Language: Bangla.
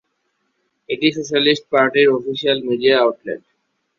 এটি সোশ্যালিস্ট পার্টির অফিসিয়াল মিডিয়া আউটলেট।